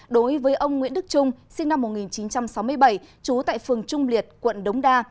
đối với ông nguyễn đức trung sinh năm một nghìn chín trăm sáu mươi bảy trú tại phường trung liệt quận đống đa